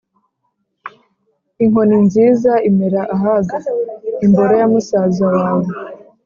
inkoni nziza imera ahaga: imboro _ya musaza wawe